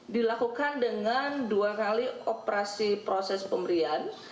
dilakukan dengan dua kali operasi proses pemberian